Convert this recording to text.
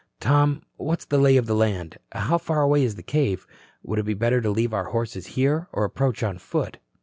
Tom, what's the lay of the land? How far away is the cave? Would it be better to leave our horses here and approach on foot?"